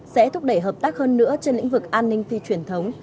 sẽ thúc đẩy hợp tác hơn nữa trên lĩnh vực an ninh phi truyền thống